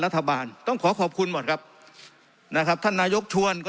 รัฐบาลต้องขอขอบคุณหมดครับนะครับท่านนายกชวนก็